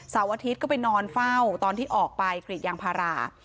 อาทิตย์ก็ไปนอนเฝ้าตอนที่ออกไปกรีดยางพารา